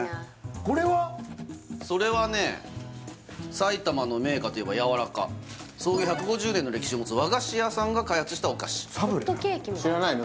埼玉の銘菓といえばやわらか創業１５０年の歴史を持つ和菓子屋さんが開発したお菓子サブレだ知らないの？